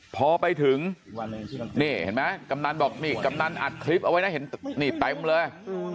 พอไปถึงนี่เห็นไหมกำนันบอกนี่กำนันอัดคลิปเอาไว้นะเห็นนี่เต็มเลย